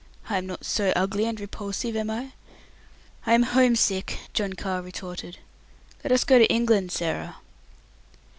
I am not so ugly and repulsive, am I?" "I am home sick," John Carr retorted. "Let us go to England, Sarah."